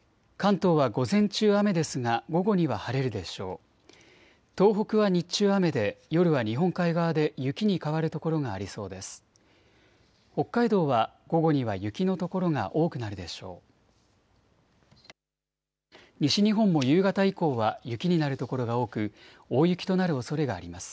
東北は日中、雨で夜は日本海側で雪に変わる所がありそうです。